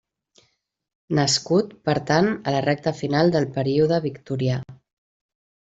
Nascut, per tant, a la recta final del període victorià.